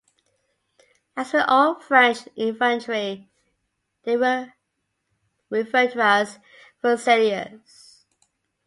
As with all French infantry, they were referred to as 'Fusiliers'.